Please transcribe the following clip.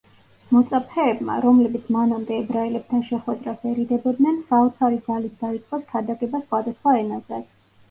მოწაფეებმა, რომლებიც მანამდე ებრაელებთან შეხვედრას ერიდებოდნენ, საოცარი ძალით დაიწყეს ქადაგება სხვადასხვა ენაზე.